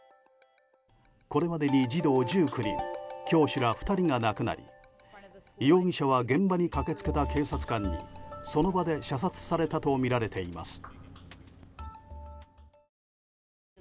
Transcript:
これまでに児童１９人教師ら２人が亡くなり容疑者は現場に駆け付けた警察官にその場で射殺されたとみられています。